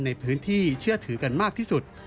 ในพื้นที่เชื่อถือกันมากที่สุด